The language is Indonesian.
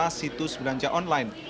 pilihannya juga di situs belanja online